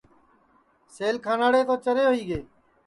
سیل کھاناڑے تو چرے ہوئی گے